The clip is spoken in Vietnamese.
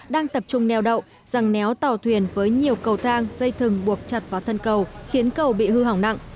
đang tập trung neo đậu rằng néo tàu thuyền với nhiều cầu thang dây thừng buộc chặt vào thân cầu khiến cầu bị hư hỏng nặng